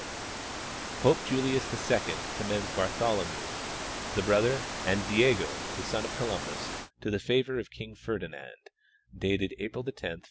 997. Pope Julius II commends Bartholomew, the brother, and Diego, the son, of Columbus to the favor of King Ferdinand, dated April 10, 1507.